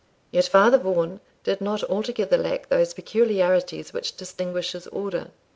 Yet Father Vaughan did not altogether lack those peculiarities which distinguish his order.